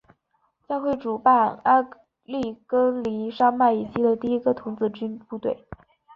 教会主办阿利根尼山脉以西的第一个童子军部队。